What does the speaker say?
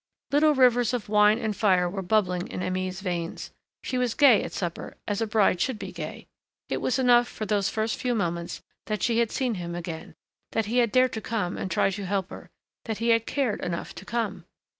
Little rivers of wine and fire were bubbling in Aimée's veins. She was gay at supper, as a bride should be gay. It was enough, for those first few moments, that she had seen him again, that he had dared to come and try to help her that he cared enough to come!